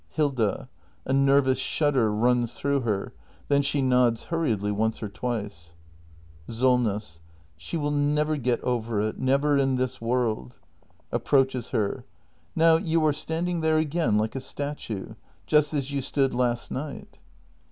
Hilda. [A nervous shudder runs through her; then she nods hurriedly once or twice. Solness. She will never get over it — never in this world. [Ap proaches her.] Now you are standing there again like a statue; just as you stood last night.